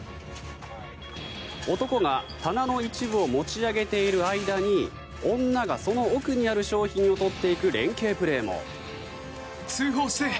男が棚の一部を持ち上げている間に女がその奥にある商品を取っていく連係プレーも。